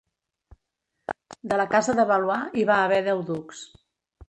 De la casa de Valois hi va haver deu ducs.